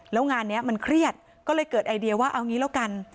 แล้วงานนี้มันเครียดก็เลยเกิดไอเดียว่าเอางี้แล้วกัน